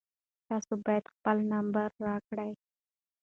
تاسو باید خپل نمبر راکړئ.